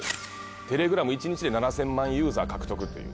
テレグラム１日で７，０００万ユーザー獲得という。